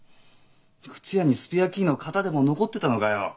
靴屋にスペアキーの型でも残ってたのかよ？